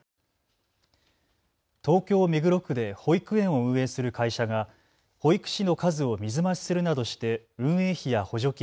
東京目黒区で保育園を運営する会社が保育士の数を水増しするなどして運営費や補助金